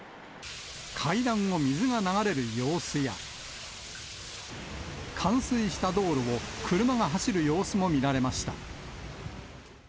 階段を水が流れる様子や、冠水した道路を車が走る様子も見られました。